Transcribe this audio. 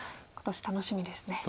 今年楽しみですね。